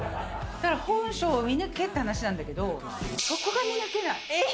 だから本性を見抜けっていう話なんだけど、そこが見抜けない。